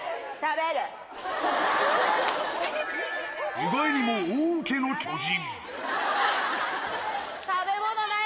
意外にも大うけの巨人。